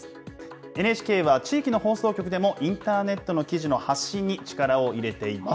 ＮＨＫは地域の放送局でも、インターネットの記事の発信に力を入れています。